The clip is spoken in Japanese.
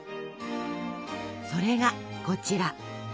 それがこちら。